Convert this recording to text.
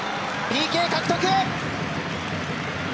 ＰＫ獲得！